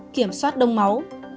kiểm soát đông máu